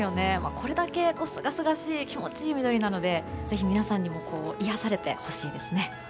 これだけすがすがしい気持ちいい緑なのでぜひ皆さんにも癒やされてほしいですね。